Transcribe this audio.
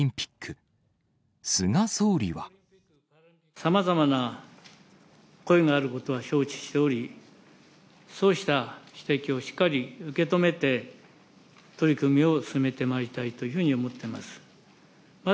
さまざまな声があることは承知しており、そうした指摘をしっかり受け止めて、取り組みを進めてまいりたいというふうに思ってます。